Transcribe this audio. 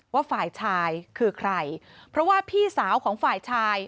ว่าฝ่ายชายคือใครเพราะว่าพี่สาวของฝ่ายชาย